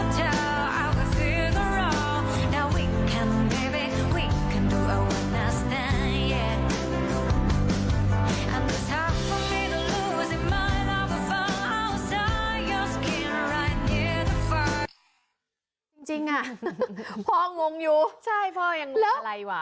จริงจริงอ่ะพ่องงอยู่ใช่พ่อยังมีอะไรวะ